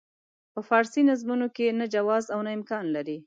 په فارسي نظمونو کې نه جواز او نه امکان لري.